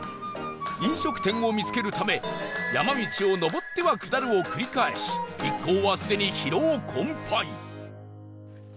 飲食店を見つけるため山道を上っては下るを繰り返し一行はすでに疲労困憊